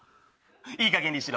いいかげんにしろ！